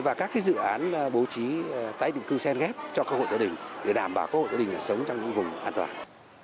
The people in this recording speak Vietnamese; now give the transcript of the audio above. và các dự án bố trí tái định cư xen ghép cho cơ hội tỉnh để đảm bảo cơ hội tỉnh sống trong những vùng an toàn